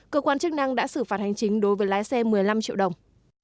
cơ quan chức năng đã xử phạt hành chính đối với lái xe một mươi năm triệu đồng